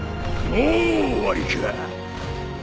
もう終わりか。